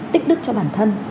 tích đức cho bản thân